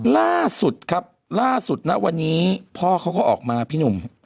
ล่าสุดครับล่าสุดนะวันนี้พ่อเขาก็ออกมาพี่หนุ่ม